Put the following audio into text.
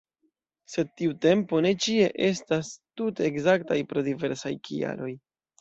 Sed tiu tempo ne ĉie estas tute ekzaktaj pro diversaj kialoj.